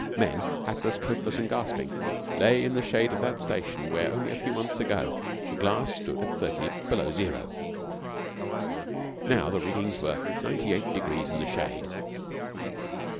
Men hatless, coatless, and gasping lay in the shade of that station where only a few months ago the glass stood at 30 below zero. Now the readings were 98 degrees in the shade.